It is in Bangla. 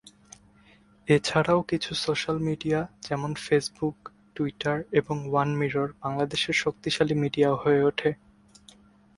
এছাড়াও কিছু সোশ্যাল মিডিয়া, যেমন ফেসবুক, টুইটার এবং ওয়ান মিরর বাংলাদেশের শক্তিশালী মিডিয়া হয়ে ওঠে।